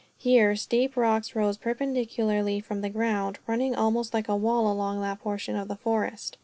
Here steep rocks rose perpendicularly from the ground, running almost like a wall along that portion of the forest.